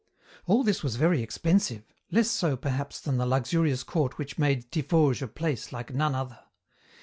"All this was very expensive, less so, perhaps, than the luxurious court which made Tiffauges a place like none other.